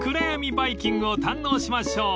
バイキングを堪能しましょう］